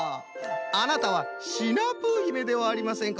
あなたはシナプーひめではありませんか。